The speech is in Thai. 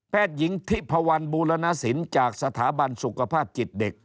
หญิงทิพวันบูรณสินจากสถาบันสุขภาพจิตเด็ก